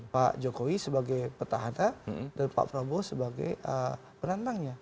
pak jokowi sebagai petahana dan pak prabowo sebagai penantangnya